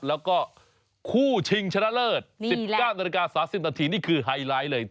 แล้วก็คู่ชิงชนะเลิศ๑๙นาฬิกา๓๐นาทีนี่คือไฮไลท์เลย